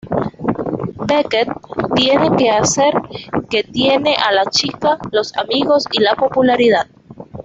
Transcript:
Beckett tiene que hacer; que tiene a la chica, los amigos y la popularidad.